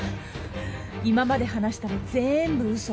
今まで話したの全部うそ。